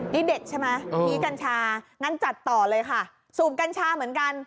นี่เด็ดใช่ไหมผีกัญชางั้นจัดต่อเลยค่ะสูบกัญชาเหมือนกัน